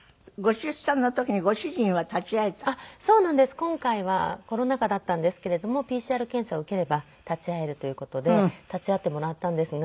今回はコロナ禍だったんですけれどもＰＣＲ検査を受ければ立ち会えるという事で立ち会ってもらったんですが。